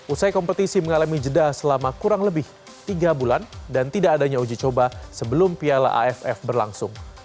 usai kompetisi mengalami jeda selama kurang lebih tiga bulan dan tidak adanya uji coba sebelum piala aff berlangsung